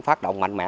phát động mạnh mẽ